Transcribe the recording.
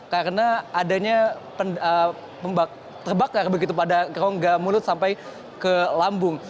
karena adanya terbakar begitu pada krongga mulut sampai ke lambung